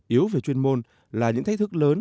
yếu về chuyên môn là những thách thức lớn